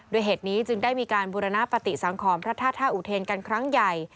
โดยเหตุนี้จึงได้มีการบุรณปฏิสังขรพระธาตุท่าอุเทนกันครั้งใหญ่